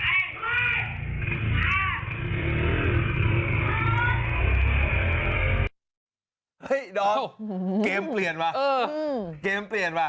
เห้ยดอกเกมเปลี่ยนว่ะเอองงเกมเปลี่ยนว่ะ